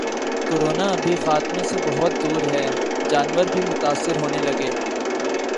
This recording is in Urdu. ’کورونا ابھی خاتمے سے بہت دور ہے‘ جانور بھی متاثر ہونے لگے